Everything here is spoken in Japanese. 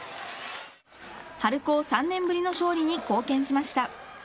春高３年ぶりの勝利に貢献しました。